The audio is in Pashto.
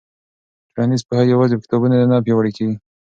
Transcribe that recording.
ټولنیز پوهه یوازې په کتابونو نه پیاوړې کېږي.